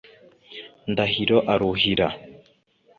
ndahiro aruhira